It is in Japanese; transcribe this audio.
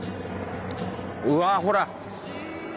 うわほら！